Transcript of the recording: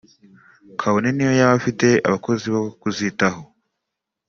kabone niyo yaba afite abakozi bo kuzitaho